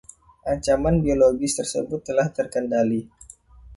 Ancaman biologis tersebut telah terkendali.